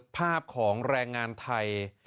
ภาพของแรงงานไทย